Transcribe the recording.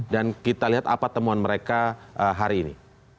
kita lihat apa temuan mereka hari ini